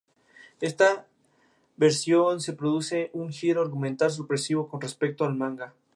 En esta versión se produce un giro argumental sorpresivo con respecto al manga.